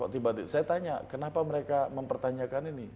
saya tanya kenapa mereka mempertanyakan ini